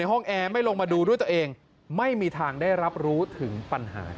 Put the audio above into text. เรื่องการจราจรเรื่องการให้เข้าหมู่สาวสาหาร